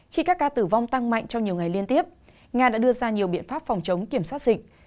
khi các ca tử vong tăng mạnh trong nhiều ngày liên tiếp nga đã đưa ra nhiều biện pháp phòng chống kiểm soát dịch